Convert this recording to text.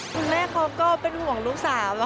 คุณแม่เขาก็เป็นห่วงลูกสาว